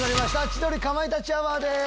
『千鳥かまいたちアワー』です。